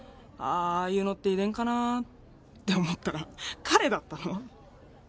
あああいうのって遺伝かなって思ったら彼だったの。